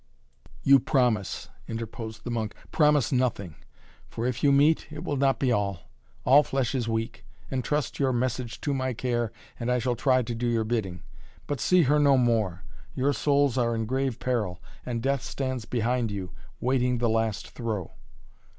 "You promise " interposed the monk. "Promise nothing. For if you meet, it will not be all. All flesh is weak. Entrust your message to my care and I shall try to do your bidding. But see her no more! Your souls are in grave peril and Death stands behind you, waiting the last throw."